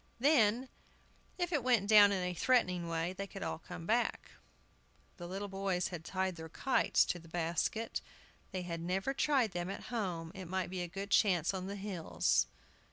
Then, if it went down in a threatening way, they could all come back. The little boys had tied their kites to the basket. They had never tried them at home; it might be a good chance on the hills.